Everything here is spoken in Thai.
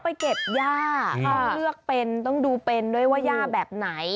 ไปเก็บย่าเขาเลือกเป็นต้องดูเป็นด้วยว่าย่าแบบไหน